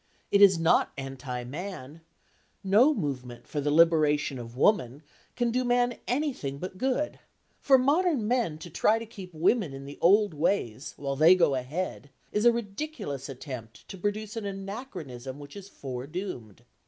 It is not anti man: no movement for the liberation of woman can do man anything but good; for modern men to try to keep women in the old ways, while they go ahead, is a ridiculous attempt to produce an anachronism which is foredoomed.